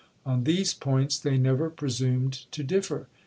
On these points they never presumed to differ.